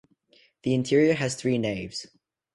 The interior has three naves.